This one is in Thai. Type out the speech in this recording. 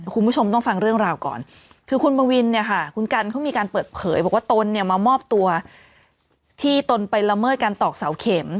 คุณผู้ชมต้องฟังเรื่องราวก่อนคือคุณบวินเนี่ยค่ะคุณกันเขามีการเปิดเผยบอกว่าตนเนี่ยมามอบตัวที่ตนไปละเมิดการตอกเสาเข็ม